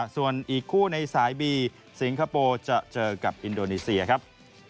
ส่วนอีกคู่ในสายบีสิงคโปร์จะเจอกับอินโดนีเซียครับ